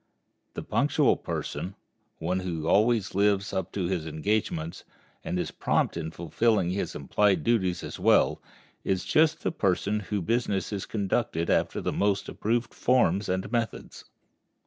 The punctual person, one who always lives up to his engagements, and is prompt in fulfilling his implied duties as well, is just the person whose business is conducted after the most approved forms and methods.